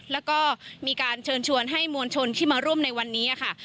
แล้วก็มีการเชิญชวนให้มวลชนที่มาร่วมในวันนี้ค่ะ